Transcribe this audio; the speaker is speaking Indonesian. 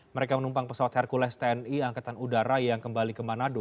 mereka menumpang pesawat hercules tni angkatan udara yang kembali ke manado